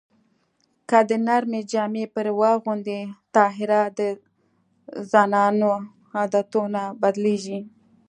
که د نر جامې پرې واغوندې طاهره د زنانو عادتونه نه بدلېږي